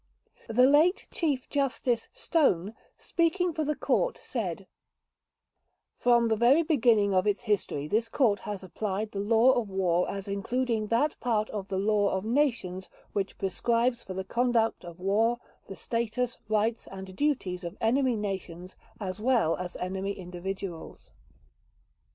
The late Chief Justice Stone, speaking for the Court, said: "From the very beginning of its history this Court has applied the law of war as including that part of the law of nations which prescribes for the conduct of war, the status, rights, and duties of enemy nations as well as enemy individuals."